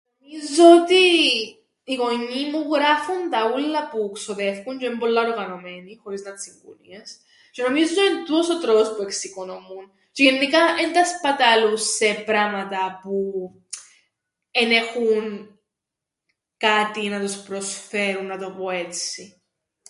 Νομίζω ότι οι γονιοί μου γράφουν τα ούλλα που ξοδεύκουν τζ̆αι εν' πολλά οργανωμένοι χωρίς να 'ν' τσιγκούνηες, τζ̆αι νομίζω εν' τούτος ο τρόπος που εξοικονομούν τζ̆αι γεννικά εν τα σπαταλούν σε πράματα που εν έχουν κάτι να τους προσφέρουν, να το πω έτσι.